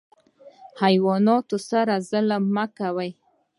حیواناتو سره ظلم مه کوئ